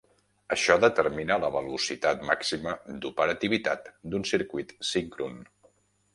Això determina la velocitat màxima d'operativitat d'un circuit síncron.